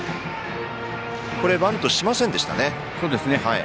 バントしませんでしたね。